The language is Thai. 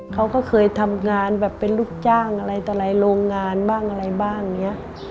เขาก็เคยทำงานเป็นลูกจ้างอะไรตลายโรงงานบ้างอะไรบ้างเนี่ย